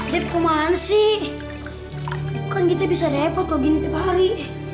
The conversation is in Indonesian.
depo man sih kan kita bisa repot begini hari hari